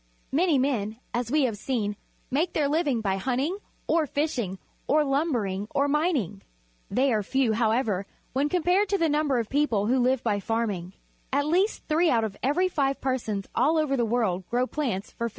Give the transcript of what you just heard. — Manj^ men, as we luiA'e seen, make their li\ang by hunting, or fishing, or lumbering, or mining. They are few, however, when compared with the number of people who Uve by farming. At least three out of every five persons all over the world grow plants for food.